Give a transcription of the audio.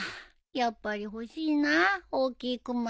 やっぱり欲しいな大きいクマさん。